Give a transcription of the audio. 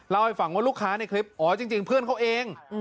เล่าให้ฟังว่าลูกค้าในคลิปอ๋อจริงเพื่อนเขาเอง